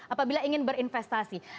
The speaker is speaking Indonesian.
apabila ingin berinvestasi